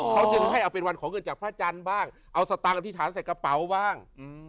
เขาจึงให้เอาเป็นวันขอเงินจากพระจันทร์บ้างเอาสตางคฤษฐานใส่กระเป๋าบ้าง